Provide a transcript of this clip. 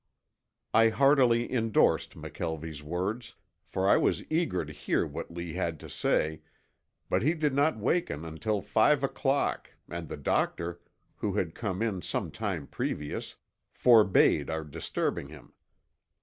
I heartily indorsed McKelvie's words, for I was eager to hear what Lee had to say, but he did not waken until five o'clock and the doctor, who had come in some time previous, forbade our disturbing him.